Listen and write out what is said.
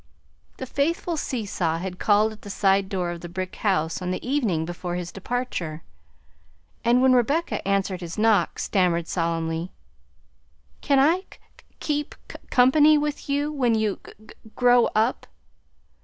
The faithful Seesaw had called at the side door of the brick house on the evening before his departure, and when Rebecca answered his knock, stammered solemnly, "Can I k keep comp'ny with you when you g g row up?"